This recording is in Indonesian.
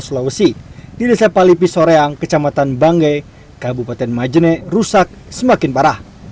sulawesi di desa palipisoreang kecamatan bangge kabupaten majene rusak semakin parah